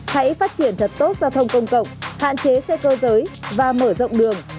hãy phát triển thật tốt giao thông công cộng hạn chế xe cơ giới và mở rộng đường